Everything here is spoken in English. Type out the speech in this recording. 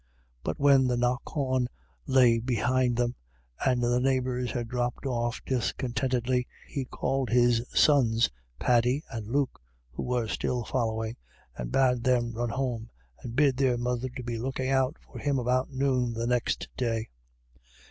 But when the knockawn lay behind them, and the neighbours had dropped off discontentedly, he called his sons Paddy and Luke, who were still following, and bade them run home and bid their mother to be looking out for him about noon the next day.